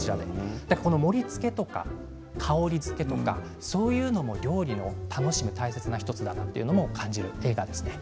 盛りつけとか香りづけとかそういうものも料理には楽しむ、大切なものだということが感じられます。